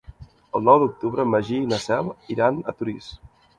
El nou d'octubre en Magí i na Cel iran a Torís.